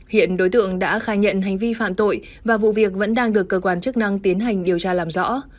hiện đối tượng đã khai nhận hành vi phạm tội và vụ việc vẫn đang được cơ quan chức năng tiến hành điều tra làm rõ